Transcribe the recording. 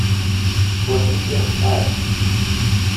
Cwiṭ n sser tesɛa-t.